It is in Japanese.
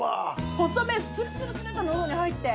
細麺スルスルと喉に入って。